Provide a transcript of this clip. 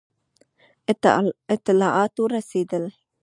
اطلاعات ورسېدل.